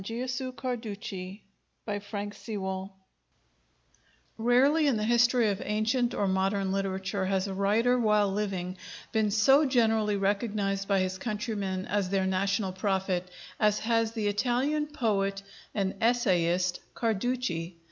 GIOSUE CARDUCCI (1836 ) BY FRANK SEWALL Rarely in the history of ancient or modern literature has a writer, while living, been so generally recognized by his countrymen as their national prophet as has the Italian poet and essayist Carducci.